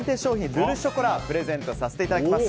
ルルショコラをプレゼントさせていただきます。